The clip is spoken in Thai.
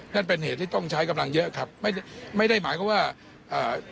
นั่นเป็นเหตุที่ต้องใช้กำลังเยอะครับไม่ได้ไม่ได้หมายความว่าอ่า